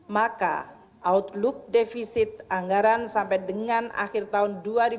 maka outlook defisit anggaran sampai dengan akhir tahun dua ribu dua puluh